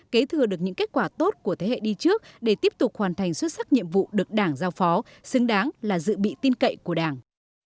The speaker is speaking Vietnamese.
kế thừa được những kết quả tốt của thế hệ đi trước để tiếp tục hoàn thành xuất sắc nhiệm vụ được đảng giao phó xứng đáng là dự bị tin cậy của đảng